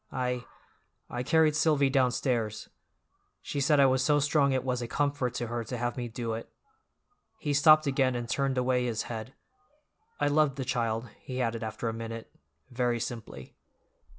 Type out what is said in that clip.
"I—I carried Silvy downstairs; she said I was so strong it was a comfort to her to have me do it." He stopped again and turned away his head. "I loved the child," he added after a minute, very simply.